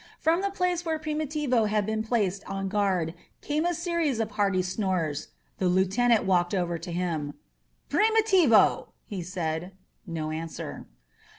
From the place where Primitivo had been placed on guard came a series of hearty snores. The lieutenant walked over to him. "Primitivo!" he said. No answer.